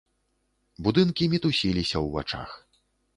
Будынкі мітусіліся ў вачах.